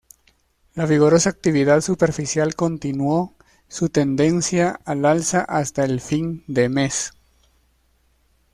La vigorosa actividad superficial continuó su tendencia al alza hasta fin de mes.